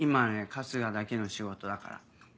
春日だけの仕事だから。